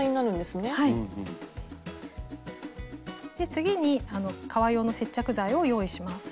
次に革用の接着剤を用意します。